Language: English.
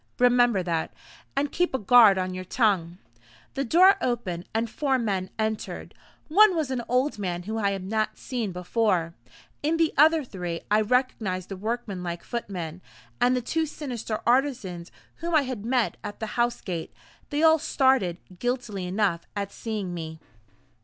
Remember that; and keep a guard on your tongue." The door opened, and four men entered. One was an old man whom I had not seen before; in the other three I recognized the workman like footman, and the two sinister artisans whom I had met at the house gate. They all started, guiltily enough, at seeing me.